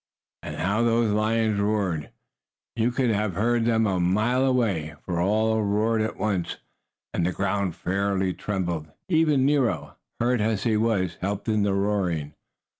And how those lions roared! You could have heard them a mile away, for they all roared at once, and the ground fairly trembled. Even Nero, hurt as he was, helped in the roaring.